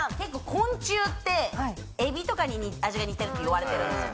昆虫ってエビとかに味が似てるっていわれてるんですよ。